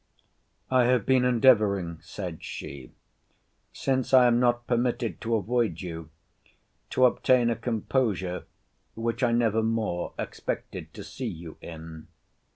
I have been endeavouring, said she, since I am not permitted to avoid you, to obtain a composure which I never more expected to see you in.